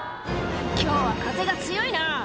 「今日は風が強いな」